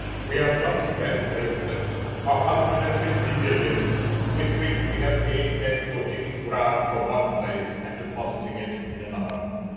We have just spent, for instance, a hundred and fifty millions, with which we have paid men for digging ground from one place and depositing it in another.